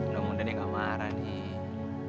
udah mudah nih gak marah nih